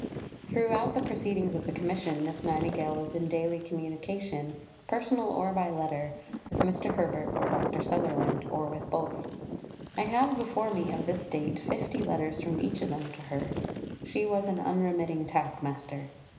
Throughout the proceedings of the Commission, Miss Nightingale was in daily communication personal, or by letter with Mr. Herbert or Dr. Sutherland, or with both. I have before me, of this date, fifty letters from each of them to her. She was an unremitting task master.